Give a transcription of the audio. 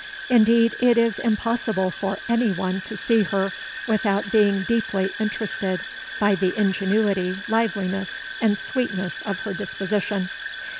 Indeed, it is impossible for any one to see her without being deeply interested by the ingenuity, liveliness, and sweetness of her disposition."